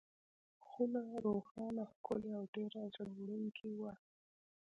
خونه روښانه، ښکلې او ډېره زړه وړونکې وه.